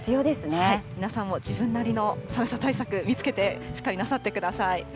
皆さんも自分なりの寒さ対策、見つけてしっかりなさってください。